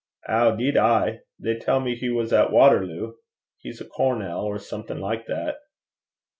'Ow, 'deed ay. They tell me he was at Watterloo. He's a cornel, or something like that.'